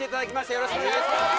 よろしくお願いします。